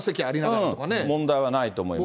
問題はないと思いますね。